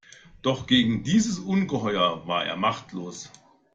Doch gegen dieses Ungeheuer war er machtlos.